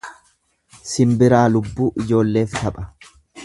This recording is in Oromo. Simbiraa lubbuu ijoolleef tapha.